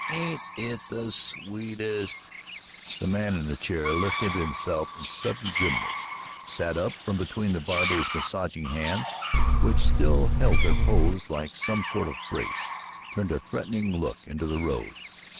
Ain't it the sweetest " The man in the chair lifted himself in sudden grimness, sat up from between the barber's massaging hands, which still held their pose like some sort of brace, turned a threatening look into the road.